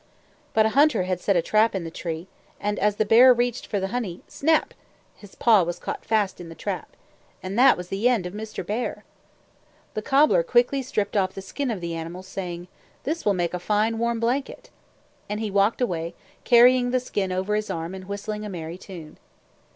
But a hunter had set a trap in the tree, and as the bear reached for the honey snap! His paw was caught fast in the trap. And that was the end of Mr. Bear! The cobbler quickly stripped off the skin of the animal, saying, "This will make a fine, warm blanket." Then he walked away, carrying the skin over his arm and whistling a merry tune.